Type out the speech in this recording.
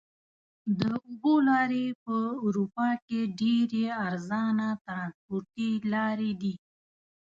د اوبو لارې په اروپا کې ډېرې ارزانه ترانسپورتي لارې دي.